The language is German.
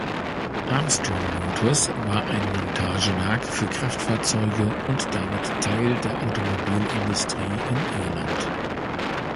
Armstrong Motors war ein Montagewerk für Kraftfahrzeuge und damit Teil der Automobilindustrie in Irland.